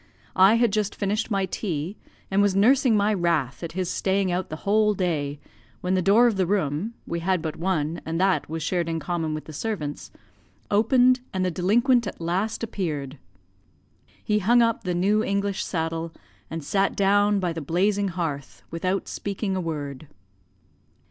I had just finished my tea, and was nursing my wrath at his staying out the whole day, when the door of the room (we had but one, and that was shared in common with the servants) opened, and the delinquent at last appeared. He hung up the new English saddle, and sat down by the blazing hearth without speaking a word.